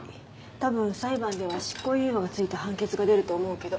多分裁判では執行猶予がついた判決が出ると思うけど。